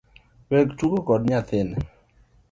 Wek tugo koda nyathini